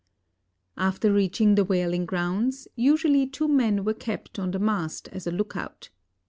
After reaching the whaling grounds usually two men were kept on the mast as a lookout.